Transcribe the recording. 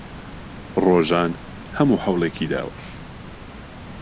ڕۆژان هەموو هەوڵێکی داوە.